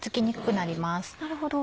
なるほど。